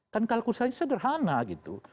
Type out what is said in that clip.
kan kalkusannya sederhana gitu